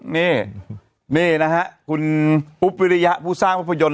นี่คุณอุปริยะผู้สร้างแรกประโยชน์